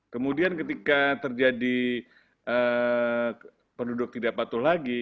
kemudian ketika terjadi penduduk tidak patuh lagi